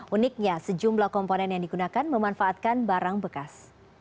uniknya sejumlah komponen yang digunakan memanfaatkan barang bekas